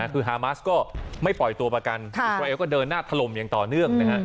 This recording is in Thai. คือฮามาสก็ไม่ปล่อยตัวประกันอิสราเอลก็เดินหน้าถล่มอย่างต่อเนื่องนะฮะ